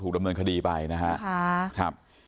ถูกระเมินคดีไปนะฮะค่ะ